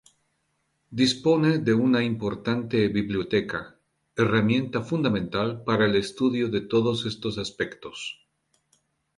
Dispone de una importante biblioteca, herramienta fundamental para el estudio de todos estos aspectos.